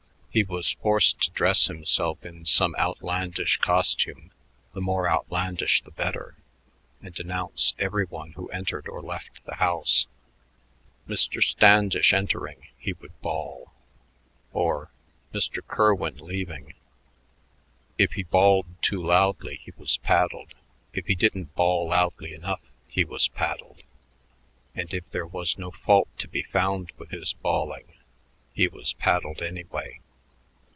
He was forced to dress himself in some outlandish costume, the more outlandish the better, and announce every one who entered or left the house. "Mr. Standish entering," he would bawl, or, "Mr. Kerwin leaving." If he bawled too loudly, he was paddled; if he didn't bawl loudly enough, he was paddled; and if there was no fault to be found with his bawling; he was paddled anyway.